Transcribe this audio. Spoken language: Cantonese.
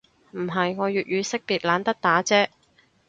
唔係，我粵語識別懶得打啫